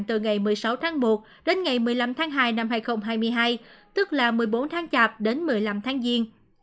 từ ngày một mươi sáu tháng một đến ngày một mươi năm tháng hai năm hai nghìn hai mươi hai tức là một mươi bốn tháng chạp đến một mươi năm tháng giêng